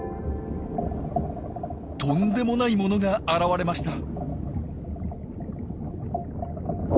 とんでもないものが現れました。